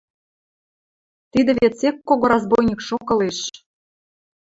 Тидӹ вет сек кого разбойникшок ылеш...